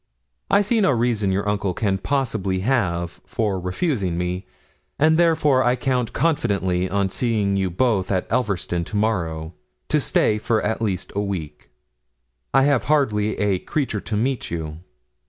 I see no reason your uncle can possibly have for refusing me; and, therefore, I count confidently on seeing you both at Elverston to morrow, to stay for at least a week. I have hardly a creature to meet you.